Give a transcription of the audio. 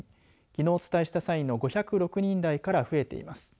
きのうお伝えした際の５０６人台から増えています。